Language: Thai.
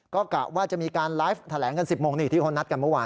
ก็กะว่าจะมีการไลฟ์แถลงกัน๑๐โมงนี่ที่เขานัดกันเมื่อวาน